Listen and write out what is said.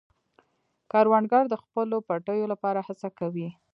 کروندګر د خپلو پټیو لپاره هڅه کوي